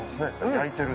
焼いてる。